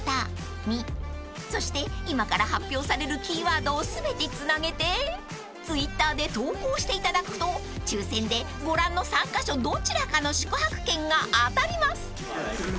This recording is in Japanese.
［そして今から発表されるキーワードを全てつなげてＴｗｉｔｔｅｒで投稿していただくと抽選でご覧の３カ所どちらかの宿泊券が当たります］